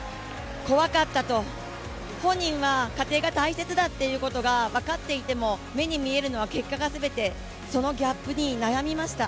怖かったと、本人は過程が大切だということが分かっていても、目に見えるのは結果が全て、そのギャップに悩みました。